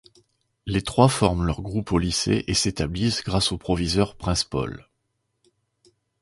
Les trois forment leur groupe au lycée et s'établissent grâce au producteur Prince Paul.